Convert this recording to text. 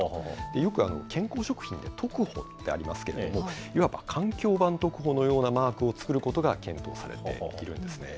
よく健康食品のトクホってありますけれども、いわば環境版トクホのようなマークを作ることが検討されているんですね。